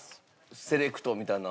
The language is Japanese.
セレクトみたいなの。